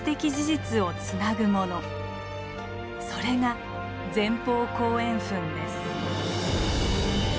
それが前方後円墳です。